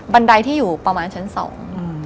บันไดที่อยู่ประมาณชั้นสอง